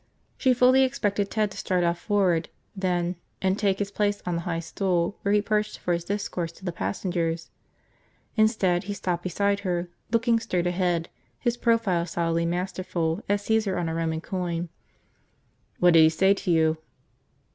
She fully expected Ted to stride off forward, then, and take his place on the high stool where he perched for his discourse to the passengers. Instead he stopped beside her, looking straight ahead, his profile solidly masterful as Caesar on a Roman coin. "What did he say to you?"